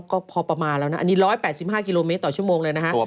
ก็พอประมาณแล้วนะอันนี้๑๘๕กิโลเมตรต่อชั่วโมงเลยนะฮะ